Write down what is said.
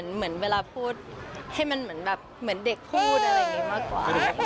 เหมือนเวลาพูดให้มันเหมือนแบบเหมือนเด็กพูดอะไรอย่างนี้มากกว่า